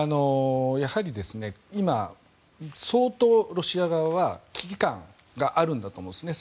やはり今、相当ロシア側は危機感があるんだと思うんですね。